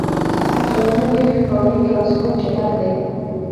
په جرمنی کی ښکاری ټرانسپورټ چټک دی